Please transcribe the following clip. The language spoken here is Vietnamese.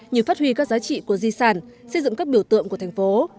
như phát huy các giá trị của di sản xây dựng các biểu tượng của thành phố